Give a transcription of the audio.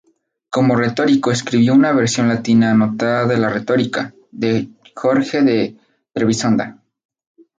Como retórico escribió una versión latina anotada de la "Retórica" de Jorge de Trebisonda.